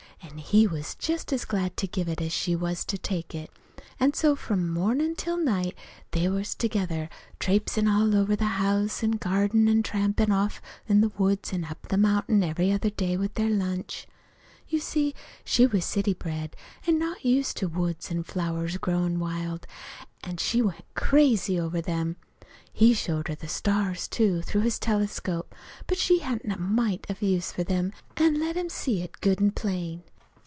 An' he was just as glad to give it as she was to take it. An' so from mornin' till night they was together, traipsin' all over the house an' garden, an' trampin' off through the woods an' up on the mountain every other day with their lunch. "You see she was city bred, an' not used to woods an' flowers growin' wild; an' she went crazy over them. He showed her the stars, too, through his telescope; but she hadn't a mite of use for them, an' let him see it good an' plain.